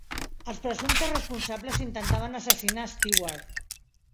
Els presumptes responsables intentaven assassinar Stewart.